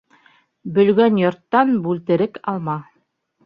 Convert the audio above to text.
Бөлгән йорттан бүлтерек алма.